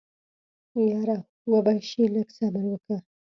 يره وبه شي لږ صبر وکه.